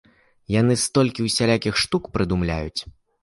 Яны столькі усялякіх штук прыдумляюць.